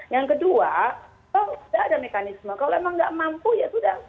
yang kedua kalau sudah ada mekanisme kalau memang nggak mampu ya sudah